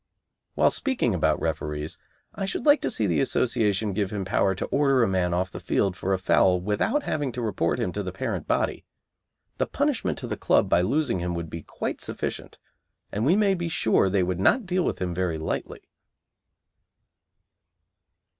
Whilst speaking about referees, I should like to see the Association give him power to order a man off the field for a foul without having to report him to the parent body. The punishment to the club by losing him would be quite sufficient, and we may be sure they would not deal with him very lightly.